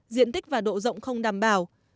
diện tích và độ rộng không đảm bảo